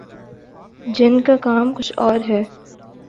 جن کا کام کچھ اور ہے۔